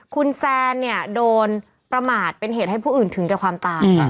คุณแซนเนี่ยโดนประมาทเป็นเหตุให้ผู้อื่นถึงแก่ความตาย